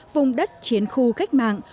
vùng đất chiến khu cách mạng